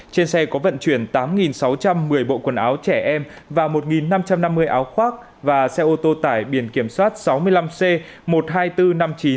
trên xe có vận chuyển tám sáu trăm một mươi bộ quần áo trẻ em và một năm trăm năm mươi áo khoác và xe ô tô tải biển kiểm soát sáu mươi năm c một mươi hai nghìn bốn trăm năm mươi chín